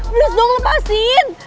prins dong lepasin